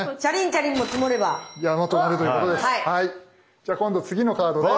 じゃあ今度次のカードです。